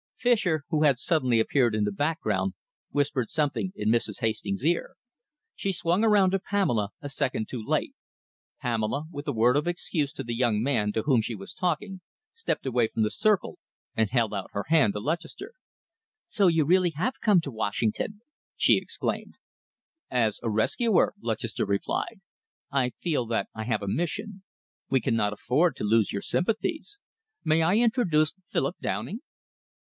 Fischer, who had suddenly appeared in the background, whispered something in Mrs. Hastings' ear. She swung around to Pamela, a second too late. Pamela, with a word of excuse to the young man with whom she was talking, stepped away from the circle and held out her hand to Lutchester. "So you have really come to Washington!" she exclaimed. "As a rescuer," Lutchester replied. "I feel that I have a mission. We cannot afford to lose your sympathies. May I introduce Philip Downing?"